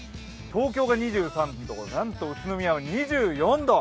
東京が２３度、なんと宇都宮は２４度。